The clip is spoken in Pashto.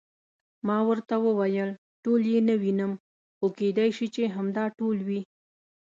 ما ورته وویل: ټول یې نه وینم، خو کېدای شي چې همدا ټول وي.